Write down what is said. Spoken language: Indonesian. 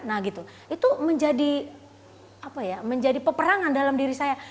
nah gitu itu menjadi peperangan dalam diri saya